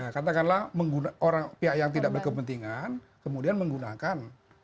katakanlah pihak yang tidak berkepentingan kemudian menggunakan